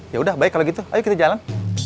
ya udah baik kalau gitu ayo kita jalan